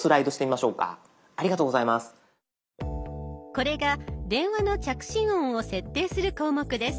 これが電話の着信音を設定する項目です。